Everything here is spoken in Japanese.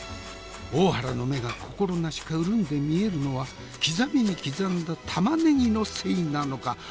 大原の目が心なしか潤んで見えるのは刻みに刻んだ玉ねぎのせいなのか？